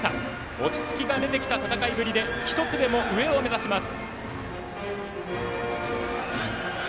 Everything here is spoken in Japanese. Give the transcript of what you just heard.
落ち着きが出てきた戦いぶりで１つでも上を目指します。